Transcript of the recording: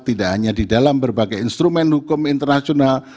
tidak hanya di dalam berbagai instrumen hukum internasional